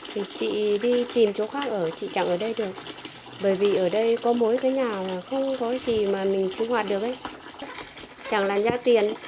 thì chị đi tìm chỗ khác ở chị chẳng ở đây được bởi vì ở đây có mỗi cái nhà là không có gì mà mình sinh hoạt được chẳng là nha tiền